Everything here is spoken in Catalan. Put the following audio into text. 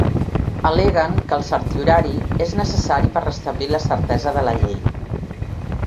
Al·leguen que el certiorari és necessari per restablir la certesa de la llei.